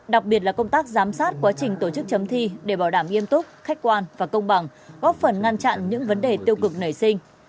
đặc biệt là công tác giám sát quá trình tổ chức chấm thi để bảo đảm nghiêm túc khách quan và công bằng góp phần ngăn chặn những vấn đề tiêu cực nảy sinh